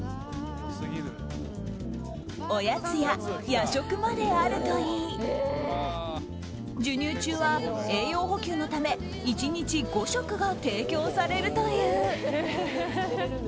おやつや夜食まであるといい授乳中は栄養補給のため１日５食が提供されるという。